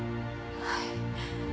はい。